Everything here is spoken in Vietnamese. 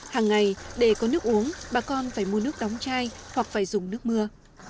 hàng ngày để có nước uống bà con phải mua nước đóng chai hoặc phải dùng nước mưa